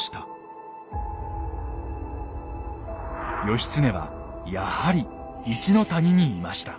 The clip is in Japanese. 義経はやはり一の谷にいました。